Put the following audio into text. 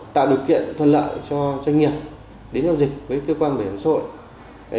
tạo điều kiện thuận lợi cho doanh nghiệp đến giao dịch với cơ quan bảo hiểm xã hội